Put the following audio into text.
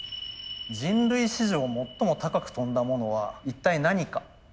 人類史上最も高く飛んだものは一体何か。